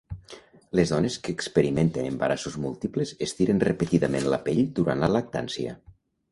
Les dones que experimenten embarassos múltiples estiren repetidament la pell durant la lactància.